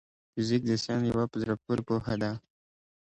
فزيک د ساينس يو په زړه پوري پوهه ده.